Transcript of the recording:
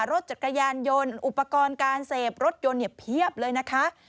รถจักรยานยนต์อุปกรณ์การเสพรถยนต์เนี่ยเพียบเลยนะคะ